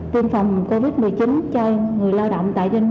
tiêm phòng covid một mươi chín cho người lao động